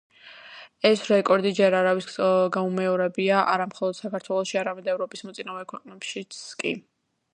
ეს რეკორდი ჯერ არავის გაუმეორებია, არა მხოლოდ საქართველოში, არამედ ევროპის მოწინავე ქვეყნებშიც კი.